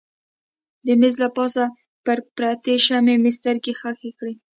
د مېز له پاسه پر پرتې شمعې مې سترګې ښخې کړې.